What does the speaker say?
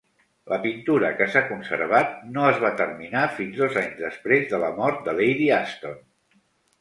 La pintura, que s'ha conservat, no es va terminar fins dos anys després de la mort de Lady Aston.